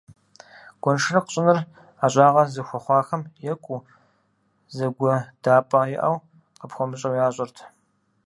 Гуэншэрыкъ щӀыныр ӀэщӀагъэ зыхуэхъуахэм екӀуу, зыгуэдапӀэ иӀэу къыпхуэмыщӀэу ящӀырт.